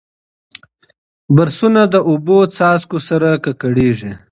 برسونه د اوبو څاڅکو سره ککړېږي.